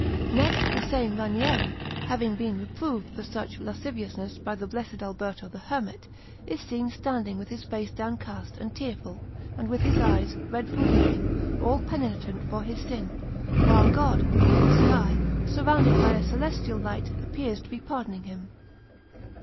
Next, the same Ranieri, having been reproved for such lasciviousness by the Blessed Alberto the Hermit, is seen standing with his face downcast and tearful and with his eyes red from weeping, all penitent for his sin, while God, in the sky, surrounded by a celestial light, appears to be pardoning him.